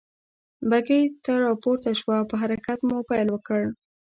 بګۍ ته را پورته شوه او په حرکت مو پيل وکړ.